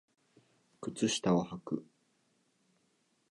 靴下をはく